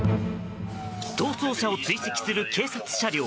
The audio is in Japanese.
逃走車を追跡する警察車両。